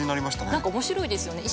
何か面白いですよね